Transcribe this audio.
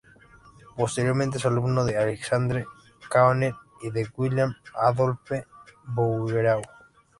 Posteriormente es alumno de Alexandre Cabanel y de William Adolphe Bouguereau.